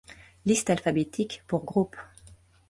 Liste alphabétique pour groupe.